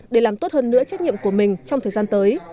để làm tốt hơn nữa trách nhiệm của mình trong thời gian tới